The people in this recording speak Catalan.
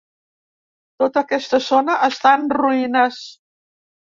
Tota aquesta zona està en ruïnes.